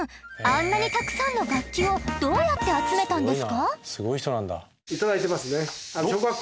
あんなにたくさんの楽器をどうやって集めたんですか？